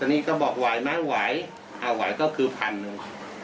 นี่ก็บอกไหวไหมไหวอ่าไหวก็คือพันหนึ่ง